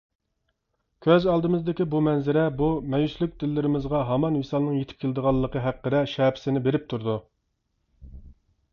كۆز ئالدىمىزدىكى بۇ مەنزىرە بۇ مەيۈسلۈك دىللىرىمىزغا ھامان ۋىسالنىڭ يېتىپ كېلىدىغانلىقى ھەققىدە شەپىسىنى بېرىپ تۇرىدۇ.